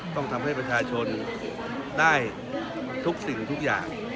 ต้องทำให้ประชาชนได้ทุกสิ่งทุกอย่าง